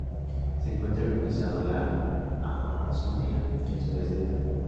Se encuentra localizado en la Amazonía del sudeste de Perú.